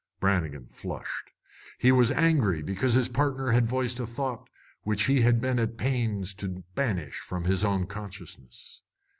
Brannigan flushed. He was angry because his partner had voiced a thought which he had been at pains to banish from his own consciousness.